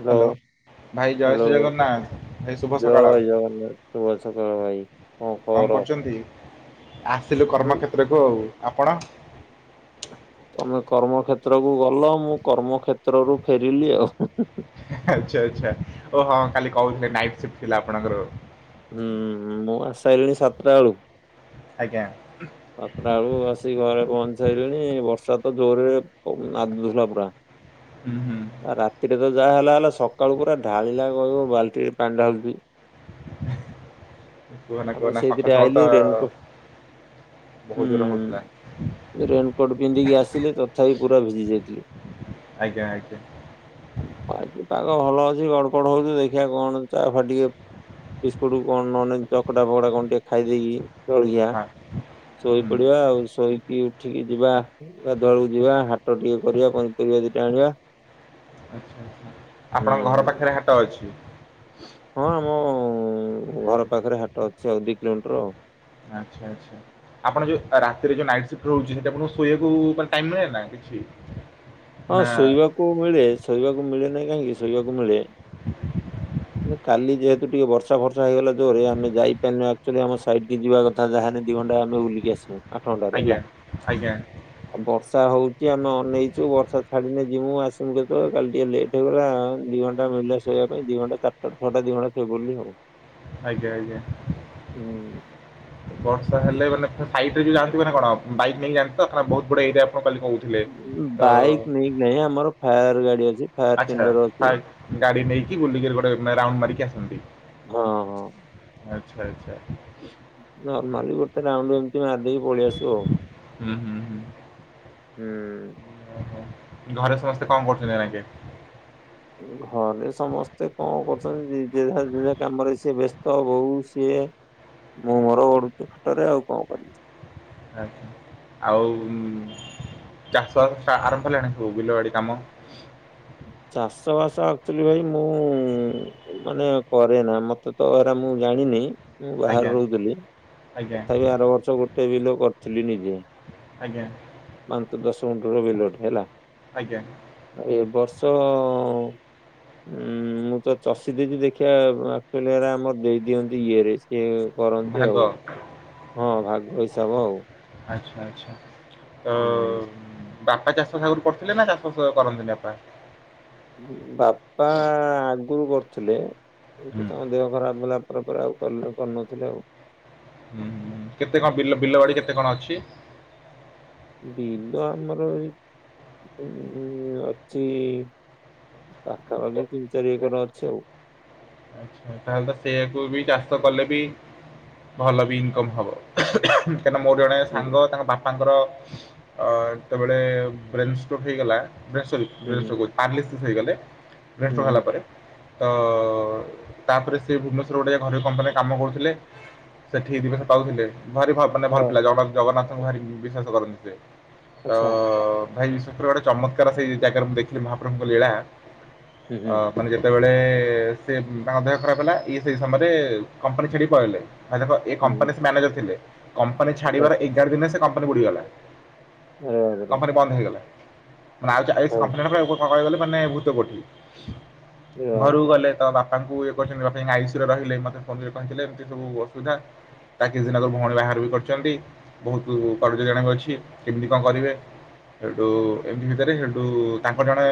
Hello ଭାଇ ଜୟ Shri hello Jagannath ଭାଇ ଶୁଭ ଜୟ ସକାଳ ଜଗନ୍ନାଥ ଶୁଭ ସକାଳ ଭାଇ। କଣ କରୁଛନ୍ତି? ଆସିଲୁ ମୁଁ କର୍ମକ୍ଷେତ୍ରକୁ ଆଉ ଆପଣ? ତମେ କର୍ମକ୍ଷତ୍ର କୁ ଗଲ ମୁଁ କର୍ମକ୍ଷତ୍ରରୁୁ ଫେରିଲି ଆଉ। ଆଚ୍ଛା ଆଚ୍ଛା ଓ ହଁ କାଲି କହୁଥିଲେ ନାଇଟ୍ ସିଫ୍ଟ ଥିଲା ଆପଣଙ୍କର। ହୁଁ ମୁଁ ଆସି ସାରିଲିଣି ସାତଟା ବେଳୁ। ଆଜ୍ଞା। ସାତଟା ବେଳୁ ଆସିକି ଘରେ ପହଞ୍ଚିସାଇଲିଣି ବର୍ଷା ତ ଜୋରରେ ନାଦୁଥିଲା ପୁରା। ହୁଁ ହୁଁ। ଆଉ ରାତିରେ ତ ଯାହା ହେଲା ହେଲା ସକାଳୁ ପୁରା ଢାଳିଲା କହିବ ବାଲ୍ଟିରେ ପାଣି ଢାଳୁଛି। କୁହନା ଆଉ ମୁଁ କୁହନା ସକାଳୁ ସେଇଥିରେ ସକାଳୁ ତ ଆଇଲିି ରେନକ ବହୁତ ହୁଁ। ଜୋର ହଉଥିଲା। ରେନକୋଟ ପିନ୍ଧିକି ଆସିଲେ ତଥାପି ପୁରା ଭିଜି ଯାଇଥିଲି। ଆଜ୍ଞା ଆଜ୍ଞା। ଆ ଆଜି ପାାଗ ଭଲ ଅଛି ଗଡପଡ ହଉଚୁ ଦେଖିବା କଣ ଚା ଫ ଟିକେ ବିସ୍କୁଟ କଣ ନେ ଚକଡା ଫକଡା କଣ ଟିକେ ଖାଇଦେଇକି ଜଳିଖିଆ ହଁ ଶୋଇ ହୁଁ ପଡିବା ଆଉ ଶୋଇକି ଉଠିକି ଯିବା ଗଧୁଳକୁ ଯିବା ହାଟ ଟିକେ କରିବା ପନିପରିବା ଦିଟେ ଆଣିବା। ଆଛା ଆଛା ଆପଣଙ୍କ ଘର ହୁଁ ପାଖରେ ହାଟ ଅଛି? ହଁ ଆମ ଘର ପାଖରେ ହାଟ ଅଛି ଆଉ ଦି କିଲୋମିଟର ଆଉ। ଆଚ୍ଛା ଆଚ୍ଛା। ଆପଣ ଯୋଉ ରାତିରେ ଯୋଉ ନାଇଟ ସିପ୍ଟ ରହୁଛି ସେଠି ଆପଣଙ୍କୁ ଶୋଇବାକୁ ଟାଇମ୍ ମିଳେ ନା କିଛି? ହଁ ନା ଶୋଇବାକୁ ମିଳେ ଶୋଇବାକୁ ମିଳେ ନାଇଁ କାହିଁକି ଶୋଇବାକୁ ମିଳେ। ହ [inaudible] କାଲି ଯେହେତୁ ଟିକେ ବର୍ଷା ବର୍ଷା ହେଇଗଲା ଜୋରରେ ଆମେ ଯାଇପାରିନୁ ଆକ୍ଚୁଆଲି ଆମ ସାଇଡ କୁ ଯିବା କ ଯାହା ହେନେ ଦି ଘଣ୍ଟା ଆମେ ବୁଲିକି ଆସିବୁ। ଆଠ ଘଣ୍ଟାରୁ ଆଜ୍ଞା ହେଲା ଆଜ୍ଞା ଆଉ ବର୍ଷା ହଉଛି ଆମେ ଅନେଇଛୁ ବର୍ ବର୍ଷା ଛାଡିନେ ଯିବୁ ଆସିମୁ କେତେବେଳେ କାଲି ଟିକେ ଲେଟ ହେଇଗଲାଉ ଦି ଘଣ୍ଟା ମିଳିଲା ଶୋଇବା ପାଇଁ ଦି ଘଣ୍ଟା ଚାର ସେଠୁ ଛ ଟା ଦି ଘଣ୍ଟା ଶୋଇ ପଡ଼ିଲି ଆଉ। ଆଜ୍ଞା ଆଜ୍ଞା। ହୁଁ ବର୍ଷା ହେଲେ ମାନେ ଫାଇଟରେ ଯେ ଯାଆନ୍ତି ମାନେ କଣ ବାଇକ ନେଇକି ଯାଆନ୍ତି। ତ ବହୁତ ବଢିଆ ଏରିଆ ଆପଣ କାଲି କହୁଥିଲେ ତ। ଏଇ ଆମର ଫାୟାର ଗାଡି ଅଛି। ଫାୟାର ଆଚ୍ଛା ଟେଣ୍ଡର ଅଛି। ଫାଇବି ଗାଡି ନେଇକି ବୁଲିକିରି ଗୋଟେ ରାଉଣ୍ଡ ମାରିକି ଆସନ୍ତି। ହଁ ହଁ। ଆଚ୍ଛା ଆଚ୍ଛା। ନର୍ମାଲି ଗୋଟେ ରାଉଣ୍ଡ ଏମିତି ମାରିଦେଇକି ପଳେଇ ଆସିବ ଆଉ। ହୁଁ ହୁଁ ହୁଁ। ହୁଁ। ଓହୋ। ଘରେ ସମସ୍ତେ କମ କରୁଛନ୍ତି ଏନାକେ। ଘରେ ସମସ୍ତେ କଣ କରୁଛନ୍ତି ଦିଦି ହେରିକା କାମରେ ସିଏ ବ୍ୟସ୍ତ ବୋଉ ସିଏ। ମୁଁ ମୋର ଗଢୁଛିି ଖଟରେ ଆଉ କଣ କରିବି। ଆଜ୍ଞା ଆଉ ଚାଷ ବା ଆରମ୍ଭ ହେଲାଣି ସବୁ ବିଲବାଡି କାମ। ଚାଷ ବାସ ଆକୁଚାଲି ଭାଇ ମୁଁ। ମାନେ କରେନା ମତେ ତ ଏରା ମୁଁ ଜାଣିନି। ମୁଁ ଆଜ୍ଞା ବାହାର ରହୁଥୁଲି ଆଜ୍ଞା ତଥାପି ଆର ବର୍ଷ ଗୋଟେ ବିଲ କରିଥିଲି ନିଜେ।। ଆଜ୍ଞା। ପାଞ୍ଚ ଦଶ ଗୁଠୁଁ ର ବିଲଟେ ହେଲା। ଆଜ୍ଞା। ଏ ବର୍ଷ। ଉଁ ମୁଁ ତ ଚଷି ଦେଇଚି ଦେଖିଆ ଆକୁଚାଲି ହେରା ଆମର ଦେଇଦିଅନ୍ତି ଇଏରେ। ଏ କରନ୍ତି ଭାଗ ଆଉ ହଁ ଭାଗ ହିସାବ ଆଉ। ଆଚ୍ଛା ଆଚ୍ଛା ତ। ହୁଁ। ବାପା ଚାଷ ଆଗରୁ କରିଥିଲେ ନା ଚାଷ କ କରନ୍ତିନି ବାପା। ବାପା ଆଗରୁ କରୁଥୁଲେ ଏବେ ତ ହୁଁ ତାଙ୍କ ଦେହ ଖରାପ ହେଲା। ଦେହ ପରେ ଆଉ କରୁ କରୁନଥିଲେ ଆଉ। ହୁଁ ହୁଁ। କେତେ କଣ ବିଲ ବିଲବାଡ଼ି କେତେ କଣ ଅଛି? ବିଲ ଆମର ଏଇ [inaudible] ଅଛି। ପାଖାପାଖି ତିନି ଚାରି ଏକର ଅଛି ଆଉ। ଆଚ୍ଛା ତାହେଲେ ସେୟାକୁ ବି ଚାଷ କଲେ ବି ଭଲ ବି ଇନକମ ହବ। ସେ ମୋର ଜଣେ ହୁଁ ସାଙ୍ଗ ତାଙ୍କ ବା ତାଙ୍କର ଅ ଯେତେବେଳେ ବ୍ରେନଷ୍ଟ୍ରକ୍ ହେଇଗଲା ନାଇ ସରୀ ହୁଁ ବ୍ରେନଷ୍ଟ୍ରକ୍ କହୁଛି। ପାରାଲିସିସ୍ ହେଇଗଲେ ହୁଁ ବ୍ରେନଷ୍ଟ୍ରକ୍ ହେଲା ହୁଁ, ପରେ ତ। ତାପରେ ସେ ଭୁବନେଶ୍ୱର ଗୋଟେ ଘରୋଇ କମ୍ପାନୀରେ କାମ କରୁଥିଲେ ସେଠି ଦି ପଇସା ପାଉଥିଲେ ଭରି ଭାବ। ମାନେ ଭଲ ହଁ ପିଲା ଜଗ ଜଗନ୍ନାଥଙ୍କୁ ଭାରି ବିଶ୍ୱାସ କରନ୍ତି ସେ ତ। ଆଚ୍ଛା ଭାଇ ବିଶ୍ୱାସ କର ଗୋଟେ ଚମତ୍କାର ସେଇ ଜାଗାରେ ମୁଁ ଦେଖିଲି ମହାପ୍ରଭୁଙ୍କ ଲୀଳା ହୁଁ ଅ। ହୁଁ ମାନେ ଯେତେବେଳେ ସେ ତାଙ୍କ ଦେହ ଖରାପ ହେଲା ଇଏ ସେଇ ସମୟରେ କମ୍ପାନୀ ଛଡି ପଳେଇଲେ। ମାନେ ଦ ଏ ହୁଁ ହୁଁ କମ୍ପାନୀ ମ୍ୟାନେଜର ଥିଲେ କମ୍ପାନୀ ଆଚ୍ଛା ଛାଡିବାର ଆଚ୍ଛା ଏଗାର ଦିନରେ ସେ କମ୍ପାନୀ ବୁଡିଗଲା। ଆରେ ବାବାରେ କମ୍ପାନୀ ବନ୍ଦ ହେଇଗଲା ଆଉ ଚା ଏସ ହଁ କମ୍ପାନୀ ପୁରା ବହୁତ। କ କହି ଗଲେ ମାନେ ଭୂତ କୋଠି ଆରେ ଘରକୁ ବାବାରେ ଗଲେ ତ ବା ତାଙ୍କୁ ଇଏ କହିଛନ୍ତି ବାପା ଆଉସୁରେ ରହିଲେ ମୋତେ କ କହିିଥିଲେ ଏମିତି ସବୁ ଅସୁବିଧା। ତା କିଛି ଦିନ ଭଉଣୀ ବାହାର ବି କରିଚନ୍ତି। ବହୁତୁ କରଜ ଜଣାକ ଅଛି କେମିତି କଣ କରିବେ। ହେଟୁ ଏମିତି ଭିତରେ ହେଟୁ ତାଙ୍କ ଜଣେ।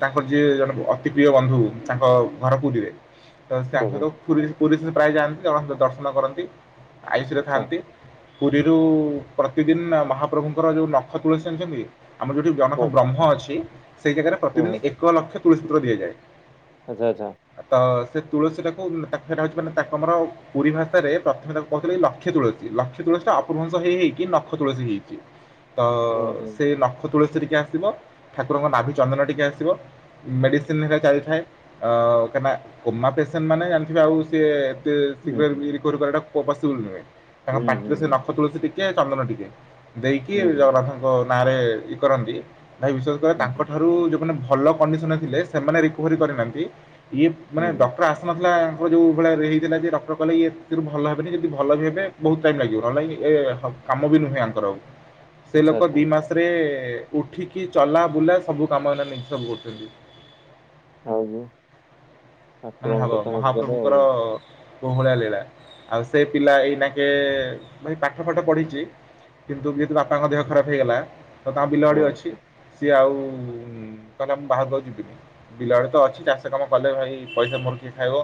ତାଙ୍କର ଯିଏ ଜଣେ ଅତି ପ୍ରିୟ ବନ୍ଧୁ ତାଙ୍କ। ଘର ପୁରୀରେ ତ ହୁଁ ହୁଁ ତାଙ୍କର ପୁରି ପୁରୀ ସେ ପ୍ରାୟ ଯାଆନ୍ତି ଜଗନ୍ନାଥଙ୍କ ଦର୍ଶନ କରନ୍ତି। ଆୟୁଷିରେ ଆଚ୍ଛା ଥାଆନ୍ତି। ପୁରୀରୁ ପ୍ରତିଦିନ ମହାପ୍ରଭୁଙ୍କର ଯୋଉ ନଖ ତୁଳସୀ ଯାଣିଛନ୍ତି। ଆମର ଯୋଉଠି ଜଗନ୍ନାଥ ହଁ ଙ୍କ ବ୍ରହ୍ମ ଅଛି ସେଇ ଜାଗାରେ ହଁ ହଁ ପ୍ରତିଦିନ ଏକ ଲକ୍ଷ ତୁଳସୂତ୍ର ଦିଆଯାଏ। ଆଚ୍ଛା ଆଛା। ତ ସେ ତୁଳସୀ ଟାକୁ ତାକୁ ସେଇଟା ହଉଛି ମାନେ ତାକୁ ଆମର ପୁରୀ ଭାଷାରେ ପ୍ରଥମେ ତାକୁ କହୁଥିଲେ ଲକ୍ଷ୍ୟେ ତୁଳସୀ। ଲକ୍ଷ୍ୟେ ତୁଳସୀ ଟା ଅପୂର୍ଭଂସ ହେଇ ହେଇକ ନଖ ତୁଳସୀ ହେଇଛି ଓହୋ ଯାଇଛି। ନଖ ତୁଳସୀ ଟିକେ ଆସିବ ଠାକୁରଙ୍କ ନାଭି ଚନ୍ଦନ ଟିକେ ଆସିବ। ମେଡିସିନ ହେକା ଚାଲିଥାଏ ଅ। କାହିଁ ନା କୋମା ପେସେଣ୍ଟ ମାନେ ଜାଣିଥିବେ ଆଉ ସ ଏତ ହୁଁ ଶୀଘ୍ର ବି। ରିକୋଭରି କରିବା ପସିବୁଲ ନୁହେଁ ତାଙ୍କ ହୁଁ ହୁଁ ହୁଁ ପାଟିରେ ସେ ନଖ ତୁଳସୀ ଟିକେ ଚନ୍ଦନ ଟିକେ। ଦେଇକି ହୁଁ ହୁଁ ଜଗନ୍ନାଥଙ୍କ ନାଁ ରେ ଇଏ କରନ୍ତି ଭାଇ ବିଶ୍ଵାସ କରିବନି ହୁଁ ହୁଁ ତାଙ୍କଠାରୁ ଯୋଉମାନେ ଭଲ। କଣ୍ଡିସନ ରେ ଥିଲେ ସେମାନେ ରିକୋଭରୀ କରି ନାହାନ୍ତି ଇଏ ମାନେ ହୁଁ ହୁଁ, ଡକ୍ଟର ଆସି ନଥିଲା ତାଙ୍କର ଯୋଉ ଭଳିଆ ହେଇଥିଲା ଯେ ଡକ୍ଟର କହିଲେ ଇଏ ଭଲ ହେବେନି ଯଦି ଭଲ ବି ହେବେ ବହୁତ ଟାଇମ୍ ଲାଗିବ ନହେଲେ ଇଏ ଏ। ଆଉ କାମ ବି ନୁହେଁ ଆଙ୍କର ଆଉ। ସେ ଆଚ୍ଛା ଲୋକ ଆଚ୍ଛା ଦି ମାସରେ ଉଠିକି ଚଲା ବୁଲା ସବୁ କାମ ଏଇନା ନିଜେ ସବୁ କରଛନ୍ତି। ହଁ ବା। ମାନେ ଭାବ ଆଉ ମହାପ୍ରଭୁଙ୍କର। କୋଉଭଳିଆ ଲୀଳା ଆଉ ସେ ପିଲା ଏଇନାକେ ଭାଇ ପାଠ ଫାଠ ପଢିଛି। କିନ୍ତୁ ଯେହେତୁ ବାପାଙ୍କ ଦେହ ଖରାପ ହେଇଗଲା ତ ତାଙ୍କର ହଁ ବିଲଆଡି ଅଛି। ସିଏ ଆଉ କହିଲା ମୁଁ ବାହାଘରକୁ ଆଉ ଯିବିନି ବିଲ ବାଡି ତ ଅଛି ଚାଷ କାମ କଲେ ଭାଇ‌। ପଇସା ମୋର କିଏ ଖାଇବ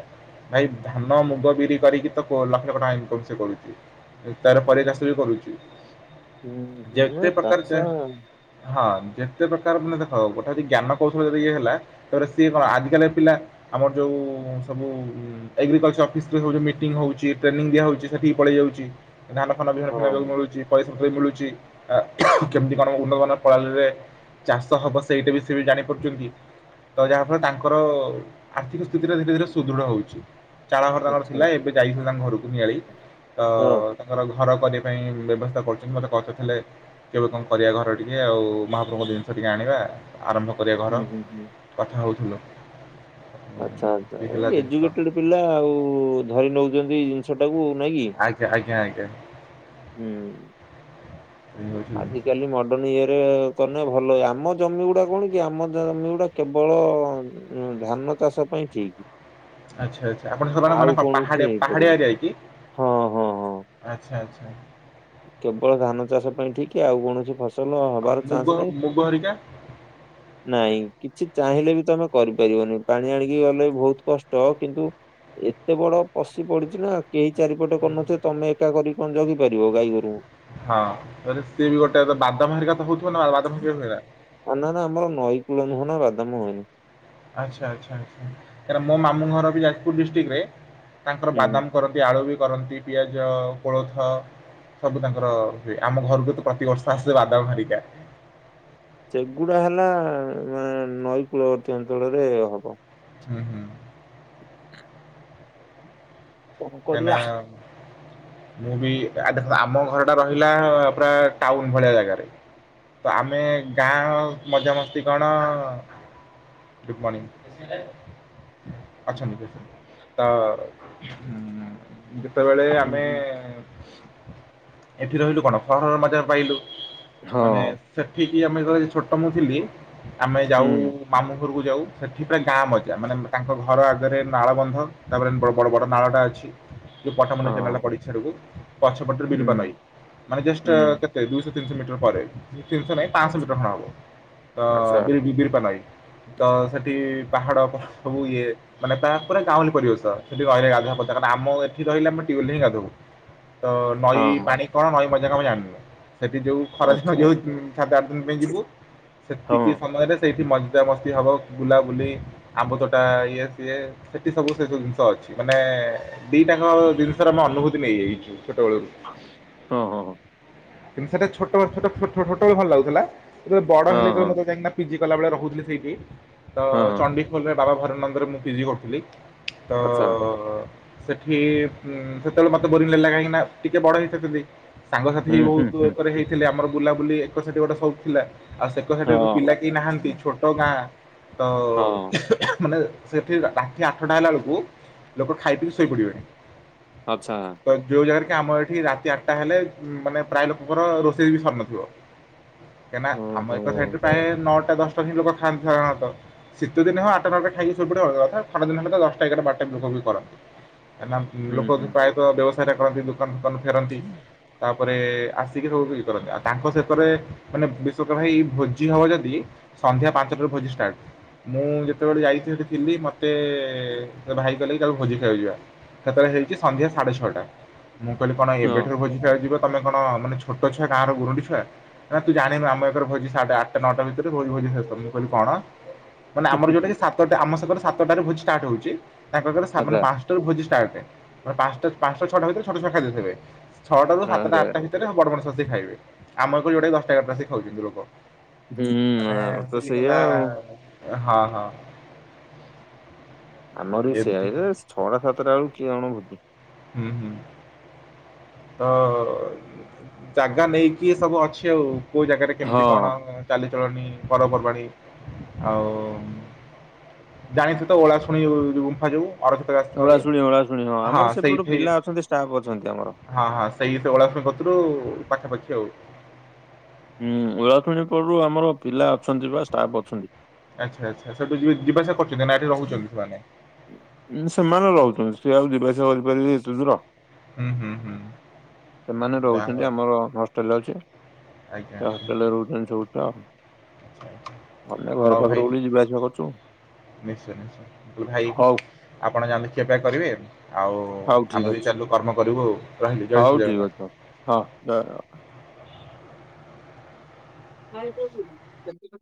ଭାଇ ଧାନ ମୁଗ ବିରି କରିକି ତ ଲକ୍ଷ ଲକ୍ଷ ଟଙ୍କା ଇନକମ ସେ କରୁଛି। ଭାଇ ତାର ପରିବା ଚାଷ ବି କରୁଛିୁ। ହୁଁ ହୁଁ ଚାଷ। ହଁ ଯେତେ ବେକାର ମାନେ ଦେଖ ଗୋଟେ ଜ୍ଞାନ କୌଶଳ ଯଦି ଇଏ ହେଲା। ତାପରେ ସିଏ କଣ ଆଜିକାଲି କା ପିଲା ଆମର ଯୋଉ ସବୁ। ଏଗ୍ରିକଲଚର ଅଫିସରେ ସବୁ ଯୋଉ ମିଟିଂ ହଉଛି ଟ୍ରେନି ଦିଆ ହଉଛି ସେଠିକି ପଳେଇ ଯାଉଛି। ଧାନ ଫାନ ବିହନ ଫିହନ ତାକୁ ହଁ ମିଳୁଛି। ପଇଶା ପତ୍ରବି ମିଳୁଛି ଆ କେମିତି କଣ ଉନ୍ନତ ମାନର ପ୍ରଣାଳୀ ରେ। ଚାଷ ହବ ସେଇଟା ବି ସିଏ ବି ଜାଣିପାରୁଛନ୍ତି ତ ଯାହାଫଳରେ ତାଙ୍କର। ଆର୍ଥିକ ସ୍ଥିତିରେ ଧୀରେ ଧୀରେ ସୁଦୃଢ ହଉଛି। ଚାଳ ଘର ତାଙ୍କର ଆଚ୍ଛା ଥିଲା ହଁ ଏବେ ଯାଇଥିଲି ତାଙ୍କ ଘରକୁ ନିଆଳି ତ। ତାଙ୍କର ଘର କରିବା ପାଇଁ ବ୍ୟବସ୍ଥା କରୁଛନ୍ତି ମତେ କହୁଥିଲେ। କେବେ କଁ କରିବା ଘର ଟିକି ଆଉ ମହାପ୍ରଭୁଙ୍କ ଜିନିଷ ଟିକେ ଆଣିବା। ଆରମ୍ଭ କରିବା ଘର ହୁଁ ହୁଁ ହୁଁ କଥା ହେଉଥିଲୁ। ଆଚ୍ଛା ଆଚ୍ଛା ଏ ଜିନିଷ ଏଜୁକେଟେଡ ପିଲା ଆଉ ଧରି ନଉଛନ୍ତି। ଚାଷ ଟାକୁ ନାଇଁ କି ଆଜ୍ଞା ଆଜ୍ଞା ଆଜ୍ଞା ହୁଁ। ଏ ହଉଛି ଆଜିିକାଲି ମ ତମେ ଇଏରେ କଲେ ଭଲ ଆମ ଜମି ଗୁଡା କଣ କି ଆମ ଜମି ଗୁଡା କେବଳ। ଉଁ ଧାନ ଚାଷ ପାଇଁ ଠିକ। ଆଚ୍ଛା ଆଚ୍ଛା ଆପଣ ସିଆଡେ ମାନେ କୌଣସି ପାହାଡିଆ ପାହାଡିଆ ହେଇପାରିବନି ଏରିଆ କି। ହଁ ହଁ ହଁ ଆଚ୍ଛା ଆଚ୍ଛା। କେବଳ ଧାନ ଚାଷ ପାଇଁ ଠିକ ଆଉ କୌଣସି ଫସ ଆଉ ମୁଗ ମୁଗ ହରିକା? ନାଇଁ କିଛି ଚାହିଁଲେ ବି ତମେ କରିପାରିବନି ପାଣି ଆଣିକି ଗଲେ ବହୁତ କଷ୍ଟ କିନ୍ତୁ। ଏତେ ବଡ ପଶି ପଡିଛି ନା କେହି ଚାରିପଟେ କରୁନଥିବେ ତମେ ଏକା କରି କଣ ଜଗି ପାରିବ ଗାଈ ଗୋରୁଙ୍କୁ? ହଁ ସିଏ ବି ଗୋଟେ ବାଦାମ ହେରିକା ତ ହଉଥିବ ନା ବାଦାମର [unintelligible] ଆ ନା ନା ଆମର ନଈ କୂଳ ନୁହେଁ ନା ବାଦାମ ହୁଏନି। ଆଚ୍ଛା ଆଚ୍ଛା ଆଛା ମୋ ମାମୁଁ ଘର ବି ଯାଜପୁର ଡିଷ୍ଟ୍ରିକଟ ରେ ତାଙ୍କର ହୁଁ ବାଦାମ କରନ୍ତି ଆଳୁ ବି କରନ୍ତି, ପିଆଜ, କୋଳଥ, ସବୁ ତାଙ୍କର ହୁଏ, ଆମ ଘରକୁ ତ ପ୍ରତିିବର୍ଷ ଆସିଲେ ବାଦାମ ହେରିକା ସେଗୁଡା ହେଲା ମାନେ ନଈ କୂଳବର୍ତ୍ତୀ ଅଞ୍ଚଳରେ ହବ। ହୁଁ ହୁଁ। କଣ ଏନା କରିବା? ମୁଁ ବି ଦେଖ ଆମ ଘର ଟା ରହିଲା ପୁରା ଟାଉନ ଭଳିଆ ଜାଗାରେ ତ ଆମେ ଗାଁ ମଜାମସ୍ତି କଣ ଗୁଡ଼ ମର୍ଣିଂ ଅଛନ୍ତି ତ ଯେତବେଳେ ହୁଁ ଆମେ ହୁଁ ଏଠି ରହିଲୁ କଣ ସହରର ମଜା ପାଇଲୁ ହଁ ମାନେ ସେଠିକି ଆମେ ଯେତେବେଳ ଛୋଟ ମୁଁ ଥିଲି ଆମେ ଯାଉ ହୁଁ ମାମୁଁ ଘର କୁ ଯାଉ ସେଠିପୁରା ଗାଁ ମଜ୍ଜା, ମାନେ ତାଙ୍କ ଘର ଆଗରେ ନାଳବନ୍ଧ, ତାପରେ ବଡ ବଡ ନାଳ ଟା ଅଛି ଯୋଉପଟାମୁଣ୍ଡେଇ କେନାଲ ଟା ହଁ ପଡିଛି [unintelligible] ପରୀ ପଛପଟରେ ବିରୂପା ହୁଁ ନଈ। ମାନେ ଜଷ୍ଟ ହୁଁ। କେତେ ଦୁଶହ ତିିଶହ ମିଟର ପରେ ତିନିଶହ ନାଇଁ ପାଞ୍ଚଶହ ମିଟର ଖଣ୍ଡେ ଆଛା ହବ ବିରୂପା ନଈ ତ ସେଠି ପାହାଡ ସବୁ ଇଏ ମାନେ ତା ପୁରା ଗାଉଲି ପରିବେଶ ସେଠି ଗହିଲ ଗା। ଆମ ଏଠି ରହିଲେ ଆମେ ଟ୍ୟୁଲି ରେ ହିଁ ଗାଧଉ ତ ନଈ ପାଣି କଣ ନଈ ମଜାକ ଆମେ ଜାଣିନୁ ସେଠି ଯୋଉ ଖରା ଦିନ ଆଚ୍ଛା ଯଉ ଶାତ ଆଠ ଦିନ ପାଇଁ ଯିବୁ ହଁ ସେତିକି ହଁ ସମୟରେ ସେଇଠି ମଜଜା ମସ୍ତି ହବ ବୁଲାବୁଲି ଆମ୍ବୁ ତଟା ଇଏ ସିଏ ସେଠି ସବୁ ସେ ସବୁ ଜିନିଷ ଅଛି ମା ମାନେ ଦିଟାଙ୍କ ଜିନିଷର ଆମେ ଅନୁଭୂତି ନେଇଯାଇଛୁ ଛୋଟବେଳୁ। ହଁ ହଁ। କିନ୍ତୁ ସେଟା ଛୋଟ ଟ ଛୋଟ ଭଲ ଲାଗୁଥିଲାବେଳେ ବଡ ହଁ ହେଲେ ହଁ ତବେ ହଁ ମତେ ଯାଇ। ପିଜି କଲାବେଳେ ରହୁଥିଲି ସେଇଠି ତ ହଁ ହଁ ଚଡିଖୋଲରେ ବାବା ଭରାନନ୍ଦରେ ମୁଁ ପିଜି କରୁଥିଲି। ତ ଆଚ୍ଛା ଅ ତ ସେଠି ଉଁ ସେତେବେଳେ ମତେ ବୋରିଂ ଲାଗିଲା କାହିଁକି ନା ଟିକେ ବଡ ହେଇ [unintelligible] ହୁଁ ସାଙ୍ଗସାଥି ହୁଁ ବହୁତ ହୁଁ ଏକ ହେଇଥିଲେ ଆମର ବୁଲାବୁଲି ଏକସାଇଡ ଗୋଟେ ସବୁ ଥିଲା ଆଉ ସେ ଏକ ସାଇଡ ପିଲା ହଁ। କେହି ନାହାନ୍ତି ଛୋଟ ଗାଁ ତ ହଁ ମାନେ ସେଠି ରାତି ଆଠଟା ହେଲା ବେଳକୁ ଲୋକ ଖାଇ ପି ଶୋଇ ପଡିବେଣି। ଆଚ୍ଛା। ତ ଯଉ ଜାଗାରେ କି ଆମ ଏଇଠି ରାତି ଆଠଟା ହେଲେ ମାନେ ପ୍ରାୟ ଲୋକଙ୍କର ରୋଷେଇ ବି ସରି ନଥିବ। କାହିଁକିନା ଆମ ଓହୋ ଏକ ର ହୁଁ ସାଇଡରେ ପ୍ରାୟ ନଅଟା ଦଶଟା ଲୋକ ଖାଆନ୍ତି ସାଧାରଣତଃ। ଶୀତଦିନ ହେ ଆଟା ନଟା ଖାଇକି ଶୋଇପଡ଼ିବ ଅଲଗା କଥା ଖରା ଦିନ ତ ହେଲେ ଦଶଟା ଏଗାରଟା ବାର ଟା ପ କାଁ ହୁଁ ଲୋକ ପ୍ରାୟତଃ ବ୍ୟବସାୟ ଟା କରନ୍ତି ଦୋକାନ ଫୋକାନ ଫେରନ୍ତି। ତାପରେ ଆସିକି ସବୁ ଇୟେ କରନ୍ତି ଆଉ ତାଙ୍କ ସେତରେ ମାନେ ବିଶ୍ବସ ର ଭାଇ ଭୋଜି ହବ ଯଦି ସନ୍ଧ୍ୟା ପାଞ୍ଚଟାରୁ ଭୋଜି ଷ୍ଟାର୍ଟ ମୁଁ ଯେତେବେଳେ ଯାଇଥିଲି ଥିଲି ମତେ ଏ ଭାଇ କହଲେ କି ଚାଲ ଭୋଜି ଖାଇକୁ ଯିବା ସେତେବେଳେ ହେଇଛି ସନ୍ଧ୍ୟା ସାଢେ ଛଅଟା ମୁଁ କହିଲି କଣ ହଁ। ଏବେଠୁ ଭୋଜି ଖଆକୁ ଯିବ ତମେ କଣ ମାନେ ଛୋଟ ଛୁଆ ଗାଁର ଗରୁଡି ଛୁଆ। ନା ତୁ ଜାଣିନୁ ଆମ ଏକର ଭୋଜି ସାଢେ ଆଠଟା ନଅଟା ଭିତରେ ଭୋ ଭୋଜି ଶେଷ ମୁଁ କହିଲି କଣ। ମାନେ ଆମର ଯୋଉଟା କି ସାତଟା ଆମ ସେପଟେ ସାତଟା ଭୋଜି ଷ୍ଟାର୍ଟ ହଉଛି ତାଙ୍କ ପାଖରେ ସାବ ଆଚ୍ଛା ପା ଭୋଜି ଷ୍ଟାର୍ଟ ପାଞ୍ଚଟ ପାଞ୍ଚଟ ଛଟା ଭିତରେ ସବୁ ତିକ ଖାଇଦେଇଥିବେ। ଛଅଟ ରୁ ସାତଟା ଆରେ ଆଠଟା ଆରେ ଭିତରେ ବଡ ମଣିଷ ଆସି ଖାଇବେ। ଆମର ଯୋଉଟାକ ଦଶଟାେ ରାଶି ଖାଉଛନ୍ତି ଲୋକ। ହୁଁ ମାନେ ଆମର ତ ସେଠି ସେଇଆ ହେଲା ଆଉ। ହଁ ହଁ। ଆମର ସେଇଆ ଏମିତି ଛଅଟା ସାତଟା ବେଳକୁ କିଏ ଣଭୋତି। ହୁଁ ହୁଁ ତ ଜାଗା ନେଇକି ସବୁ ଅଛି ଆଉ କୋଉ ଜାଗାରେ ହଁ କେମିତି କଣ? ଚାଲିଚଳଣି ପର୍ପର୍ବାଣିୀ ଆଉ ଜାଣିଥୁ ତ ଓଳା ଶୁଣି ଗୁମ୍ଫା ଯୋଉ। ଅରକ୍ଷିତ ଗାସ୍ତ ଓଳା ଇଏ ଶୁଣି ଓଳା ଶୁଣି ହଁ ଆମର ସେପ ଗଟେ ପିଲା ଅଛନ୍ତି ଷ୍ଟାଫ୍ ଅଛନ୍ତି ଆମର। ହଁ ହଁ ସେଇସେ ଓଳା ଶୁଣି ପାଖାପାଖି ଆଉ। ହୁଁ ଓଳାଶୁଣି ପୁରୁରୁ ଆମର ପିଲା ଅଛନ୍ତି ବା ଷ୍ଟାଫ ଅଛନ୍ତି। ଆଚ୍ଛା ଆଚ୍ଛା ସେଠୁ ଯ ଯିବାସିବା କରୁଚନ୍ତି ନା ଏଠି ରହୁଚନ୍ତି ସେମାନେ। ସେମାନେ ରହୁଛନ୍ତି ସେ ଆଉ ଯିବା ଆସିବା କରିପାରିଲେ ଏତେ ଦୂର। ହୁଁ ହୁଁ ହୁଁ ସେମାନେ ଯାହା ରହୁଛନ୍ତି ହଉ ଆମର ହଷ୍ଟେଲ ଅଛି। ହୋଟେଲ ରହୁଚନ୍ତି ସବୁଟ। ଆଚଛା ଆଚ୍ଛା ଭଲେ ଘର ହଉ ଭାଇ ପାଖରୁ ଗୋଟେ ଯିବାଆସିବା କରୁଚୁ। ନିଶ୍ଚୟ ନିଶ୍ଚୟ ଭାଇ ହଉ ଆପଣ ଜାନ୍ତୁ ଖିଆପିଆ ଜାଣୁ କରିବେ। ଆଉ ହଉ ଠିକ୍ ଆମେ ବି ଅଛି ଚାଲିଲୁ କର୍ମ କରିବୁ ଆଉ ରହିଲି ଜୟ ହଉ ଶ୍ରୀ ଠିକ୍ ଜଗା। ଅଛି ହଉ ହଁ ନାଇଁ